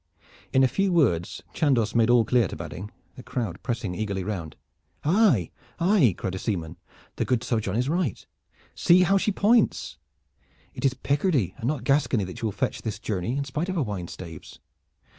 In a few words Chandos made all clear to Badding, the crowd pressing eagerly round. "Aye, aye!" cried a seaman, "the good Sir John is right. See how she points. It is Picardy and not Gascony that she will fetch this journey in spite of her wine staves."